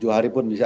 tujuh hari pun bisa